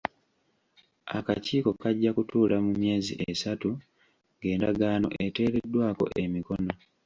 Akakiiko kajja kutuula mu myezi esatu ng'endagaano eteereddwako emikono.